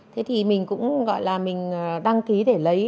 thế thì mình cũng gọi là mình đăng ký để lấy